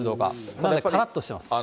なのでからっとしてます。